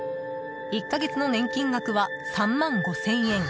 １か月の年金額は３万５０００円。